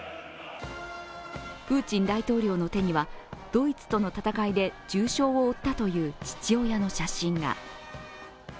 プーチン大統領の手には、ドイツとの戦いで重傷を負ったという父親の写真が。